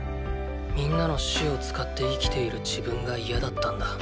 皆の死を使って生きている自分が嫌だったんだ。